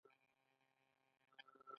آیا د پښتنو ځوانان بروتونه نه پریږدي؟